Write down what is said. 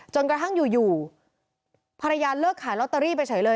จนกระทั่งอยู่ภรรยาเลิกขายลอตเตอรี่ไปเฉยเลย